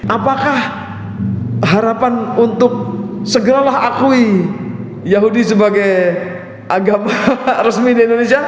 apakah harapan untuk segeralah akui yahudi sebagai agama resmi di indonesia